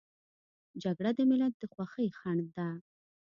جګړه د ملت د خوښۍ خنډ ده